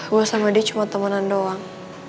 gue sama dia cuma temanan doang